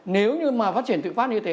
nếu như mà phát triển tự phát như thế